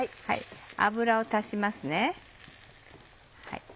油を足しますね。